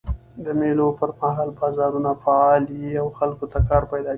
د مېلو پر مهال بازارونه فعاله يي او خلکو ته کار پیدا کېږي.